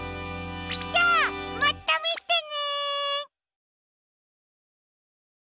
じゃあまたみてね！